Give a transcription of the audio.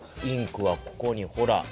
インクはここにほら。